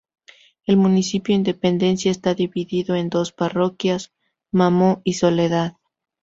El Municipio Independencia está dividido en dos parroquias, Mamo y Soledad.